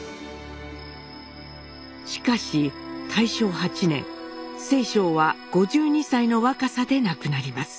しかし大正８年正鐘は５２歳の若さで亡くなります。